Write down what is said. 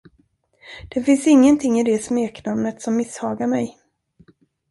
Det finns ingenting i det smeknamnet, som misshagar mig.